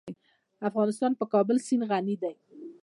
افغانستان په د کابل سیند غني دی.